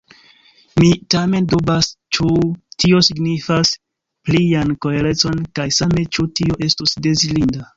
Mi tamen dubas, ĉu tio signifas plian koherecon, kaj same, ĉu tio estus dezirinda.